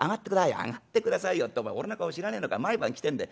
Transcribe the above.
『上がってくださいよってお前俺の顔知らねえのか毎晩来てんだよ。